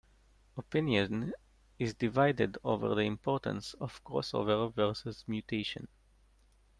Opinion is divided over the importance of crossover versus mutation.